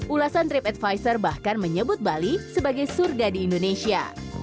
ulasan tripadvisor bahkan menyebut bali sebagai surga di indonesia